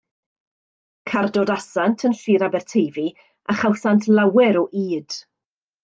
Cardodasant yn Sir Aberteifi, a chawsant lawer o ŷd.